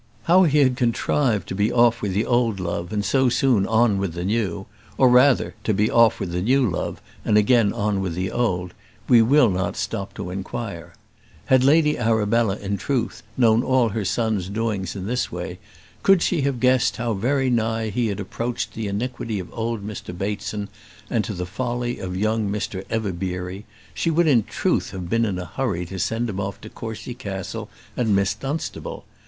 How he had contrived to be off with the old love and so soon on with the new, or rather, to be off with the new love and again on with the old, we will not stop to inquire. Had Lady Arabella, in truth, known all her son's doings in this way, could she have guessed how very nigh he had approached the iniquity of old Mr Bateson, and to the folly of young Mr Everbeery, she would in truth have been in a hurry to send him off to Courcy Castle and Miss Dunstable.